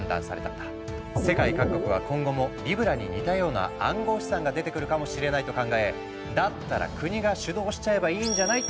世界各国は今後もリブラに似たような暗号資産が出てくるかもしれないと考えだったら国が主導しちゃえばいいんじゃない？